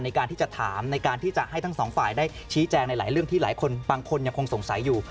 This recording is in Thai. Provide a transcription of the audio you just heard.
ในการที่จะถามในการที่จะให้ทั้งสองฝ่ายได้ชี้แจงในหลายเรื่องที่หลายคนบางคนยังคงสงสัยอยู่